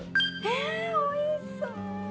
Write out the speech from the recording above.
えおいしそう！